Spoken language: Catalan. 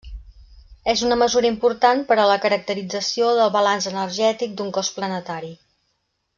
És una mesura important per a la caracterització del balanç energètic d'un cos planetari.